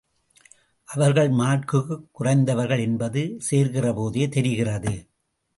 அவர்கள் மார்க்குக் குறைந்தவர்கள் என்பது சேர்க்கிறபோதே தெரிகிறது.